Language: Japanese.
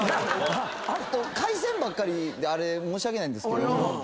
海鮮ばっかりで申し訳ないんですけど。